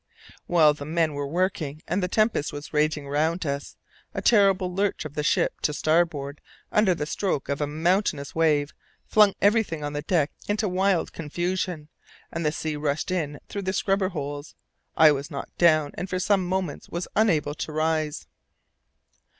While the men were working, and the tempest was raging round us, a terrific lurch of the ship to starboard under the stroke of a mountainous wave, flung everything on the deck into wild confusion, and the sea rushed in through the scupper holes. I was knocked down, and for some moments was unable to rise.